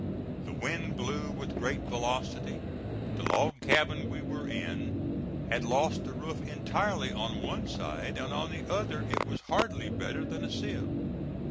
The wind blew with great velocity. The log cabin we were in had lost the roof entirely on one side, and on the other it was hardly better then a sieve.